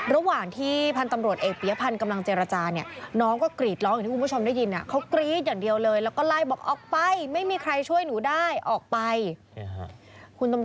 ระหว่างที่พันธุ์ตำรวจเอกเปียกพันธุ์กำลังเจรจานี่น้องก็กรีดร้องอย่างที่คุณผู้ชมได้ยิน